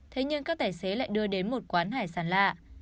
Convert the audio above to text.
thế nhưng các tài xế lại đưa đến một quán hải sản lạ